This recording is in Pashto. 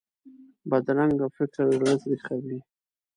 بدرنګه فکر زړه تریخوي